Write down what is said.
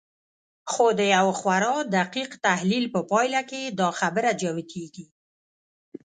خو د يوه خورا دقيق تحليل په پايله کې دا خبره جوتېږي.